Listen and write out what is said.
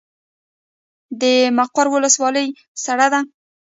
د مقر ولسوالۍ سړه ده